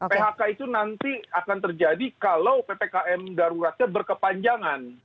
phk itu nanti akan terjadi kalau ppkm daruratnya berkepanjangan